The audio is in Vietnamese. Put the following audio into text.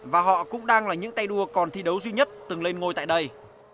và họ cũng đang là những tay đua còn thi đấu duy nhất từng lên ngôi tại đây